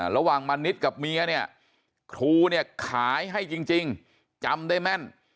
มณิษฐ์กับเมียเนี่ยครูเนี่ยขายให้จริงจำได้แม่น